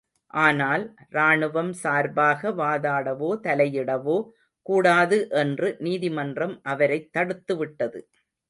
ஆனால், ராணுவம் சார்பாக வாதாடவோ, தலையிடவோ கூடாது என்று நீதிமன்றம் அவரைத் தடுத்துவிட்டது.